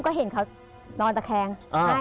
ก็เห็นเขานอนตะแคง